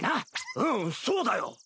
うんそうだよ。